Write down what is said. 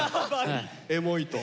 エモいと。